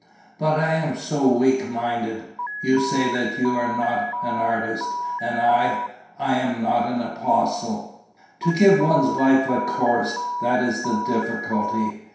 "But I am so weak minded. You say that you are not an artist; and I ... I am not an apostle." "To give one's life a course: that is the difficulty.